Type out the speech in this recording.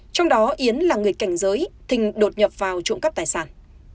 trong đó yến là người cảnh giới thình đột nhập vào trộm cắp tài sản